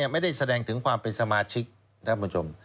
ไม่ได้แสดงถึงความเป็นสมาชิกท่านผู้ชม